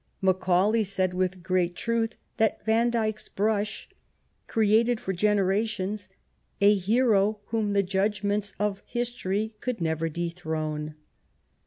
Macaulay said with great truth that Vandyke's brush created for generations a hero whom the judgments of history could never dethrone.